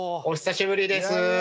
お久しぶりです。